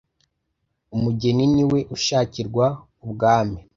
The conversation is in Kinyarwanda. Umugeni niwe ushakirwa Ubwami :